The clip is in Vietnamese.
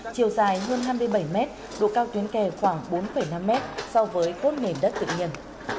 chiều dài hơn hai mươi bảy mét độ cao tuyến kè khoảng bốn năm mét so với cốt nền đất tự nhiên